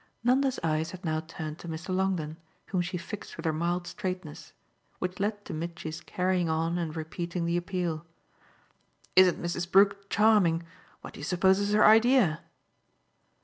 Nanda's eyes had now turned to Mr. Longdon, whom she fixed with her mild straightness; which led to Mitchy's carrying on and repeating the appeal. "Isn't Mrs. Brook charming? What do you suppose is her idea?"